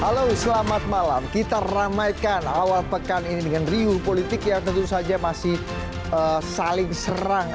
halo selamat malam kita ramaikan awal pekan ini dengan riuh politik yang tentu saja masih saling serang